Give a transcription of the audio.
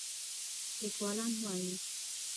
لیکوالان وايي